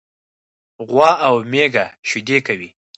غوا او میږه شيدي کوي.